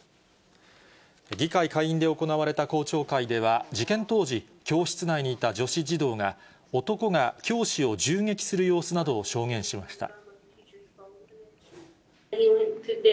議会下院で行われた公聴会では、事件当時、教室内にいた女子児童が、男が教師を銃撃する様子などを証言しました。